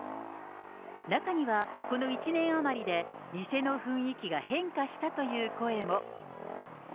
中には、この１年余りで店の雰囲気が変化したという声も。